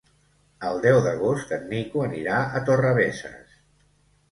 El deu d'agost en Nico anirà a Torrebesses.